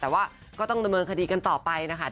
แต่ว่าก็ต้องดำเนินคดีกันต่อไปนะคะ